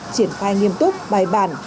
triển khai nghiêm túc bài bản